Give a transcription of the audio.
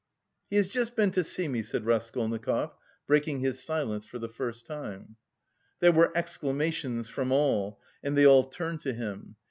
"He has just been to see me," said Raskolnikov, breaking his silence for the first time. There were exclamations from all, and they all turned to him.